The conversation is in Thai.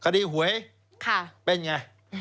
คดีหวยเป็นอย่างไรค่ะ